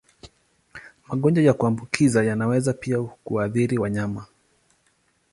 Magonjwa ya kuambukiza yanaweza pia kuathiri wanyama.